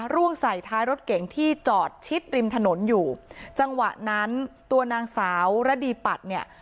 ร่วงใส่ท้ายรถเก๋งที่จอดชิดริมถนนอยู่จังหวะนั้นตัวนางสาวระดีปัดเนี่ย